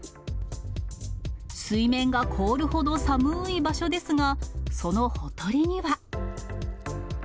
水面が凍るほど寒い場所ですが、そのほとりには。